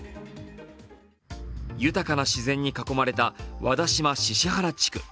豊かな自然に囲まれた和田島・宍原地区。